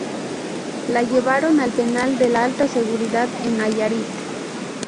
La llevaron al penal de alta seguridad en Nayarit.